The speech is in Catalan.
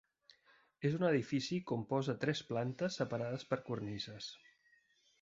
És un edifici compost de tres plantes separades per cornises.